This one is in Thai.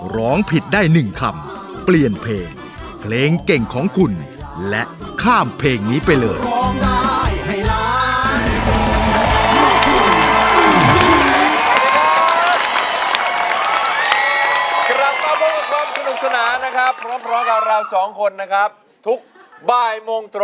ร้องผิดได้๑คำเปลี่ยนเพลงเพลงเก่งของคุณและข้ามเพลงนี้ไปเลย